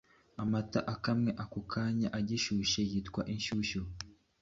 Amata yakamwe ako kanya agishyushye yitwa Inshyushyu